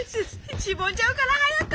しぼんじゃうから早く！